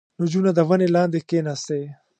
• نجونه د ونې لاندې کښېناستې.